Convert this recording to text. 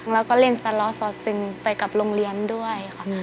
แล้วก็เล่นสล้อสอดซึงไปกับโรงเรียนด้วยค่ะ